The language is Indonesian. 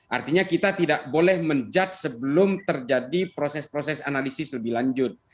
artinya kita tidak boleh menjudge sebelum terjadi proses proses analisis lebih lanjut